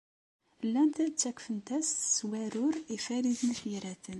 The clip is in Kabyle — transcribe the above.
Llant ttakfent-as s weɛrur i Farid n At Yiraten.